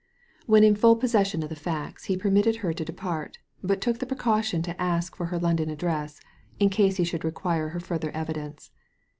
When in full possession of the facts he permitted her to depart, but took the precaution to ask for her London address in case he should require her further evidence.